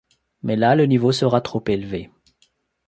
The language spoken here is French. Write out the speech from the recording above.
Mais là, le niveau sera trop élevé.